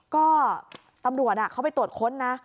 ก็ตำรวจเขาไปตรวจค้นนะ